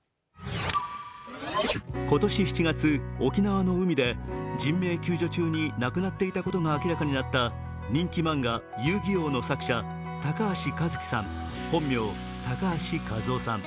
今年７月、沖縄の海で人命救助中に亡くなっていたことが明らかになった人気漫画「遊戯王」の作者、高橋和希さん、本名・高橋一雅さん。